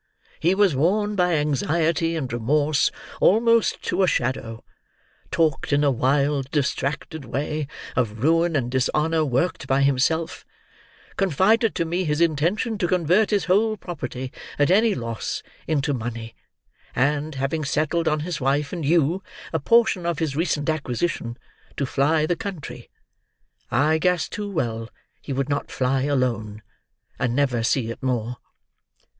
He was worn by anxiety and remorse almost to a shadow; talked in a wild, distracted way, of ruin and dishonour worked by himself; confided to me his intention to convert his whole property, at any loss, into money, and, having settled on his wife and you a portion of his recent acquisition, to fly the country—I guessed too well he would not fly alone—and never see it more.